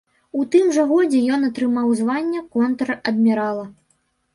У тым жа годзе ён атрымаў званне контр-адмірала.